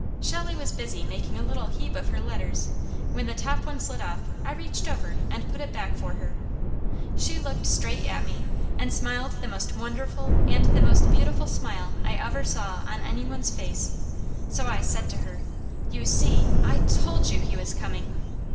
Shelley was busy making a little heap of her letters; when the top one slid off I reached over and put it back for her. She looked straight at me, and smiled the most wonderful and the most beautiful smile I ever saw on any one's face, so I said to her: "You see! I TOLD you he was coming!"